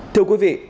thưa quý vị